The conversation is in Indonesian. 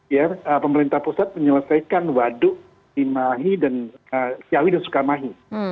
ya pemerintah pusat menyelesaikan waduk cimahi dan ciawi dan sukamahi